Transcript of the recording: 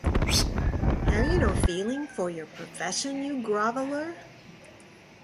Have you no feeling for your profession, you groveller?